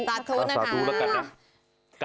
สาธุนะคะ